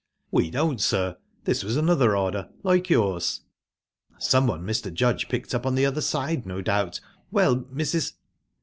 "We don't, sir. This was another order, like yours." "Someone Mr. Judge picked up on the other side, no doubt...Well, Mrs..."